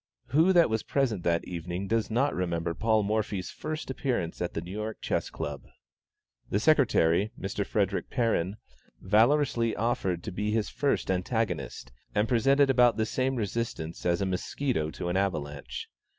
Who that was present that evening does not remember Paul Morphy's first appearance at the New York Chess Club? The secretary, Mr. Frederick Perrin, valorously offered to be his first antagonist, and presented about the same resistance as a musquito to an avalanche.